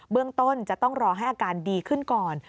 เรื่องต้นจะต้องรอให้อาการดีขึ้นก่อน